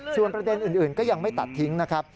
ส่วนประเด็นอื่นก็ยังไม่ตัดทิ้งนะครับ